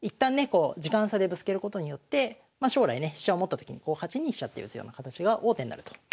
こう時間差でぶつけることによってま将来ね飛車を持ったときにこう８二飛車って打つような形が王手になると。